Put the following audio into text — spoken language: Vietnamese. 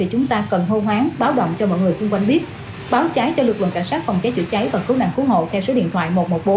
chữa cháy và cứu nạn cứu hộ theo số điện thoại một trăm một mươi bốn